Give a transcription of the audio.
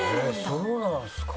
そうなんですか！